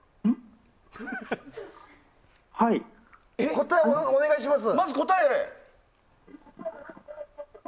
答え、お願いします。